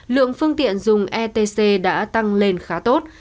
lượng phương tiện dùng etc đã tăng lên khá tốt